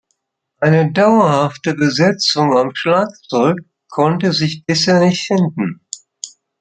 Eine dauerhafte Besetzung am Schlagzeug konnte sich bisher nicht finden.